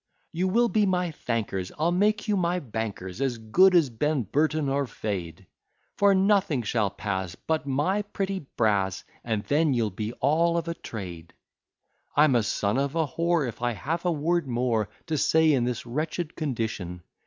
You will be my thankers, I'll make you my bankers, As good as Ben Burton or Fade; For nothing shall pass But my pretty brass, And then you'll be all of a trade. I'm a son of a whore If I have a word more To say in this wretched condition.